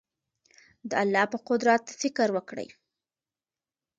د الله په قدرت فکر وکړئ.